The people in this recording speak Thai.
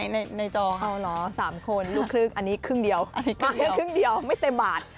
ใช่ในจอครับเขาเหรอ๓คนลูกคลึกอันนี้ครึ่งเดียวไม่เต็มบาท